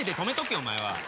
お前は。